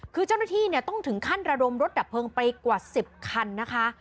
คือเจ้าหน้าที่เนี่ยต้องถึงขั้นระดมรถดับเพลิงไปกว่า๑๐คันนะคะ